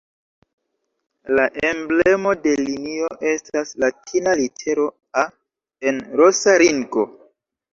La emblemo de linio estas latina litero "A" en rosa ringo.